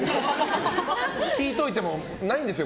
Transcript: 聞いといてもないんですよ